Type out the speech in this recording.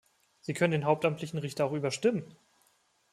Sie können den hauptamtlichen Richter auch überstimmen.